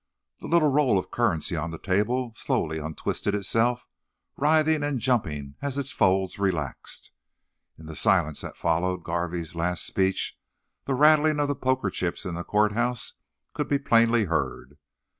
The little roll of currency on the table slowly untwisted itself, writhing and jumping as its folds relaxed. In the silence that followed Garvey's last speech the rattling of the poker chips in the court house could be plainly heard.